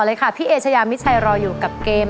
ผ่านยกที่สองไปได้นะครับคุณโอ